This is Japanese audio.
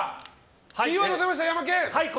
キーワード出ました、ヤマケン。